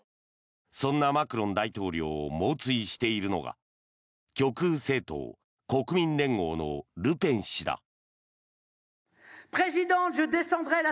そんなマクロン大統領を猛追しているのが極右政党・国民連合のルペン氏だ。